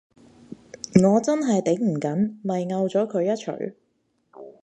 我真係頂唔緊，咪摳咗佢一鎚